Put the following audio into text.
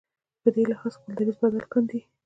په دې لحاظ خپل دریځ بدل کاندي.